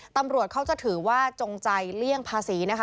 ตำรวจเขาจะถือว่าจงใจเลี่ยงภาษีนะคะ